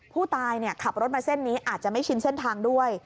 ผู้ตายขับรถมาเส้นนี้อาจจะไม่ชินเส้นทางด้วย